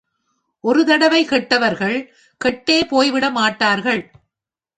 ஒரு தடவை கெட்டவர்கள் கெட்டே போய்விட மாட்டார்கள்.